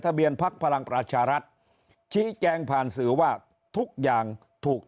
เบียนพักพลังประชารัฐชี้แจงผ่านสื่อว่าทุกอย่างถูก